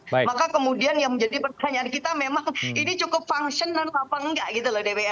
maka kemudian yang menjadi pertanyaan kita memang ini cukup function atau apa enggak gitu loh dpr